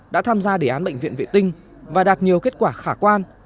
đã tham gia đề án bệnh viện vệ tinh và đạt nhiều kết quả khả quan